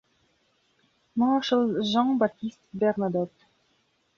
Marshal Jean Baptiste Bernadotte.